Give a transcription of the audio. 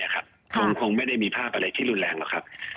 คงไม่ได้มีภาพอะไรที่รุนแรงหรอกครับ